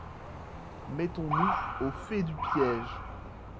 Mettons-nous au fait du piège.